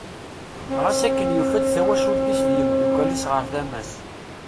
Ɣas akken yufa-d tawacult-is d yimddukal-is ɣer tama-s.